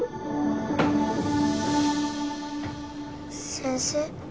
先生。